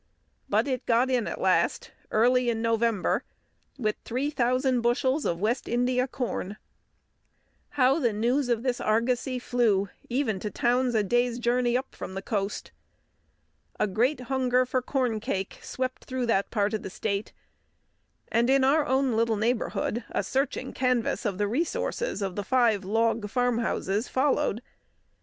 But it got in at last, early in November, with three thousand bushels of this West India corn. How the news of this argosy flew even to towns a day's journey up from the coast! A great hunger for corncake swept through that part of the state; and in our own little neighbourhood a searching canvass of the resources of the five log farm houses followed.